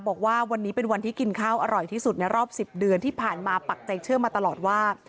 บอกว่าวันนี้เป็นวันที่กินข้าวอร่อยที่สุดในรอบ๑๐เดือนที่ผ่านมาปักใจเชื่อมาตลอดว่า